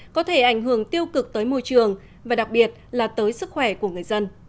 có thể ảnh hưởng tiêu cực tới môi trường và đặc biệt là tới sức khỏe của người dân